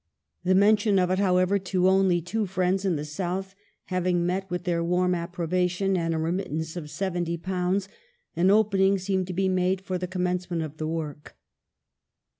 The mention of it, however, to only two friends in the South having met with their warm approbation and a remit tance of j£jo, an opening seemed to be made for the commencement of the work.